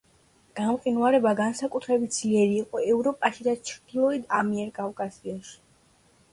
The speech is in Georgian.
გამყინვარება განსაკუთრებით ძლიერი იყო ევროპაში და ჩრდილოეთ ამიერკავკასიაში.